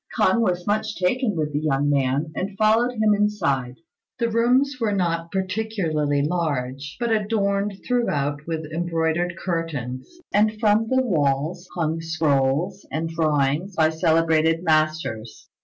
K'ung was much taken with the young man, and followed him inside. The rooms were not particularly large, but adorned throughout with embroidered curtains, and from the walls hung scrolls and drawings by celebrated masters.